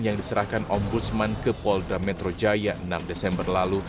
yang diserahkan ombudsman ke polda metro jaya enam desember lalu